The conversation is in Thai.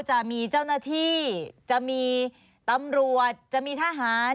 จะมีเจ้าหน้าที่จะมีตำรวจจะมีทหาร